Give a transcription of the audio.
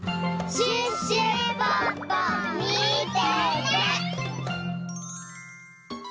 シュッシュポッポみてて！